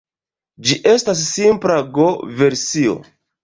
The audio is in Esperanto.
Ĝi estas simpla Go-versio.